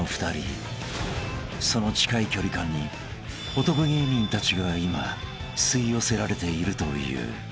［その近い距離感に男芸人たちが今吸い寄せられているという］